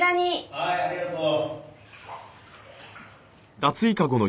はいありがとう。